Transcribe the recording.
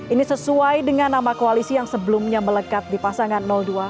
ini sesuai dengan nama koalisi yang sebelumnya melekat di pasangan dua